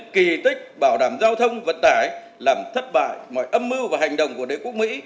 kỳ tích bảo đảm giao thông vận tải làm thất bại mọi âm mưu và hành động của đế quốc mỹ